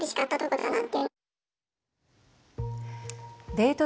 デート